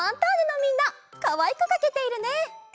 かわいくかけているね！